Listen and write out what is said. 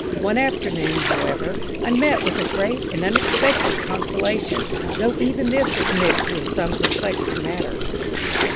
One afternoon, however, I met with a great and unexpected consolation, though even this was mixed with some perplexing matters.